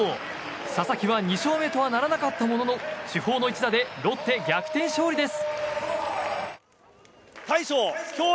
佐々木は２勝目とはならなかったものの主砲の一打でロッテ逆転勝利です。